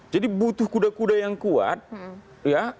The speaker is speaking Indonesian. jadi butuh kuda kuda yang kuat ya